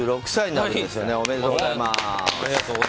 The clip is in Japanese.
ありがとうございます。